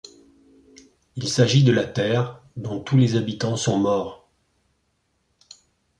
Il s'agit de la Terre, dont tous les habitants sont morts.